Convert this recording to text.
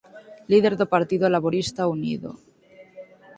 Líder do Partido Laborista Unido.